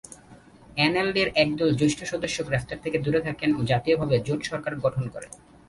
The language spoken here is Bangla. এনএলডি’র একদল জ্যেষ্ঠ সদস্য গ্রেফতার থেকে দূরে থাকেন ও জাতীয়ভাবে জোট সরকার গঠন করে।